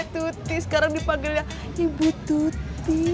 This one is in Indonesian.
tuti sekarang dipanggil ibu tuti